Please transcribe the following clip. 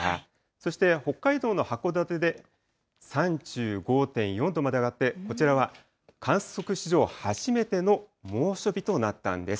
そして、北海道の函館で３５．４度まで上がって、こちらは観測史上初めての猛暑日となったんです。